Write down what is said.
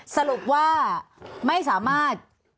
สรุปว่าไม่สามารถ